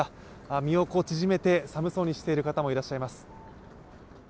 身を縮めて寒そうにしている方もいらっしゃいます。